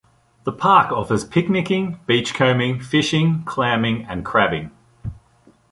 The park offers picnicking, beachcombing, fishing, clamming, and crabbing.